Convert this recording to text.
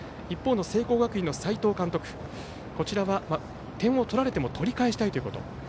一方の聖光学院の斎藤監督は点を取られても取り返したいということ。